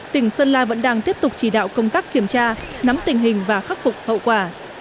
tỉnh sơn la vẫn đang tiếp tục chỉ đạo công tác kiểm tra nắm tình hình và khắc phục hậu quả